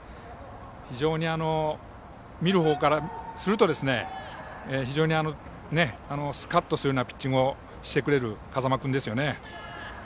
非常に見るほうからするとスカッとするようなピッチングをしてくれる風間君ですね。